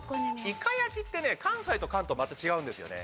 イカ焼きってね関西と関東また違うんですよね。